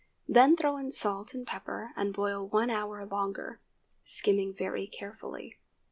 Then throw in salt and pepper and boil one hour longer, skimming very carefully.